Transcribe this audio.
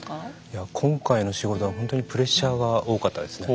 いや今回の仕事はほんとにプレッシャーが多かったですね。